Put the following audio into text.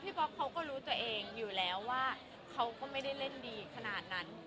ป๊อกเขาก็รู้ตัวเองอยู่แล้วว่าเขาก็ไม่ได้เล่นดีขนาดนั้น